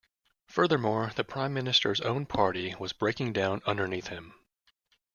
Furthermore, the Prime Minister's own party was breaking down underneath him.